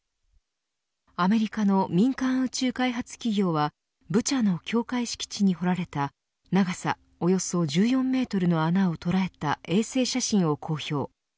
アメリカの民間宇宙開発企業はブチャの教会敷地に掘られた長さおよそ１４メートルの穴をとらえた衛星写真を公表。